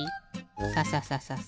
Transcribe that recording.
サササササ。